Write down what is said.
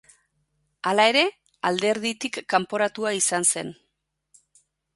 Hala ere, alderditik kanporatua izan zen.